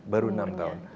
baru enam tahun